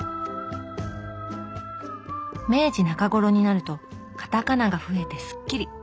明治中頃になるとカタカナが増えてスッキリ。